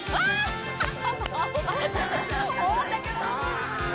ハハハッ。